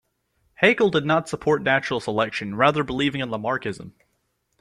Haeckel did not support natural selection, rather believing in Lamarckism.